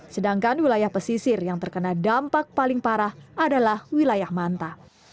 sedangkan wilayah pesisir yang terkena dampak paling parah adalah wilayah manta